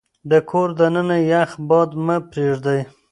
د کور دننه يخ باد مه پرېږدئ.